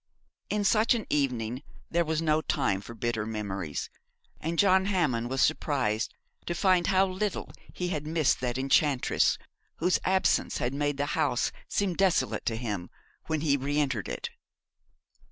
In such an evening there was no time for bitter memories: and John Hammond was surprised to find how little he had missed that enchantress whose absence had made the house seem desolate to him when he re entered it.